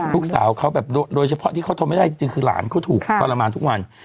ลูกสาวเขาแบบโดยเฉพาะที่เขาทนไม่ได้จริงคือหลานเขาถูกทรมานทุกวัน